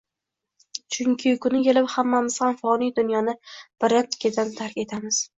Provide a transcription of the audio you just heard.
Chunki kuni kelib hammamiz ham foniy dunyoni birin-ketin tark etamiz.